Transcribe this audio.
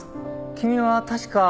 君は確か。